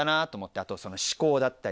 あとその思考だったり。